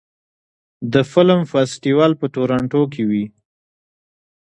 د فلم فستیوال په تورنټو کې وي.